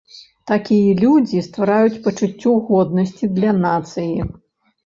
Такія людзі ствараюць пачуццё годнасці для нацыі.